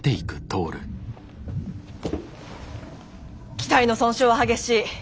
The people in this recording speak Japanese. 機体の損傷は激しい！